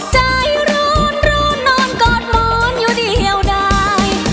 ใจร้อนร้อนนอนกอดหมอนอยู่เดียวได้